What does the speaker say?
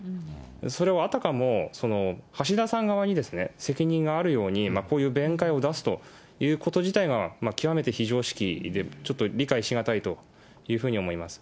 それをあたかも、橋田さん側に責任があるように、こういう弁解を出すということ自体が、極めて非常識で、ちょっと理解し難いというふうに思います。